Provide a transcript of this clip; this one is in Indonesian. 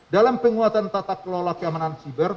dalam penguatan tata kelola keamanan siber